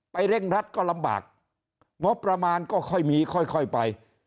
เร่งรัดก็ลำบากงบประมาณก็ค่อยมีค่อยไป